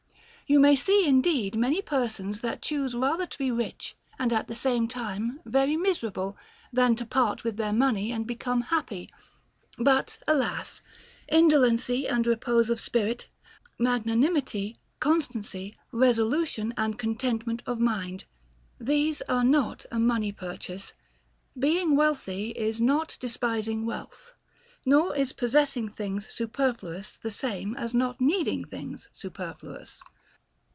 You may see indeed many persons that choose rather to be rich and at the same time very miser able, than to part with their money and become happy. But, alas ! indolency and repose of spirit, magnanimity, constancy, resolution, and contentment of mind, — these are not a money purchase. Being wealthy is not despising wealth ; nor is possessing things superfluous the same as not needing things superfluous.